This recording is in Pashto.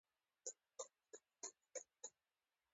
ښځه چې خاموشه او بې غږه وي دوه برابره ښه ښکاري.